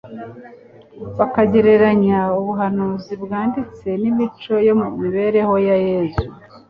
bakagereranya ubuhanuzi bwanditse n'imico yo mu mibereho ya Yesu,